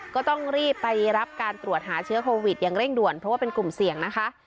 ก็ต้องรีบไปรับการตรวจหาเชื้อโควิดอย่างเร่งด่วนเพราะว่าเป็นกลุ่มเสี่ยงนะคะ